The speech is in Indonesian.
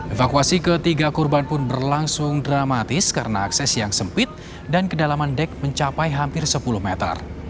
evakuasi ketiga korban pun berlangsung dramatis karena akses yang sempit dan kedalaman dek mencapai hampir sepuluh meter